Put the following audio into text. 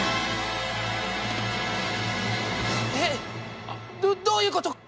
えっどういうこと？